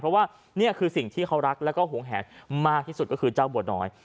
เพราะว่านี่คือสิ่งที่เขารักแล้วก็หวงแหนมากที่สุดก็คือเจ้าบัวน้อย